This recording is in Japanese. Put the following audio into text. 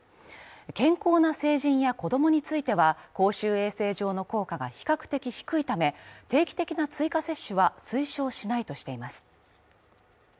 健康な成人や子供については、公衆衛生上の効果が比較的低いため定期的な追加接種は推奨しないとしています。